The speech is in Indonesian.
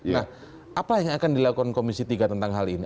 nah apa yang akan dilakukan komisi tiga tentang hal ini